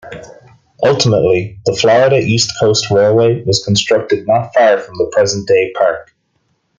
Ultimately, the Florida East Coast Railway was constructed not far from the present-day park.